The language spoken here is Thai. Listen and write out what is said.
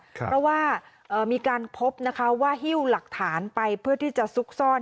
เพราะว่ามีการพบนะคะว่าหิ้วหลักฐานไปเพื่อที่จะซุกซ่อน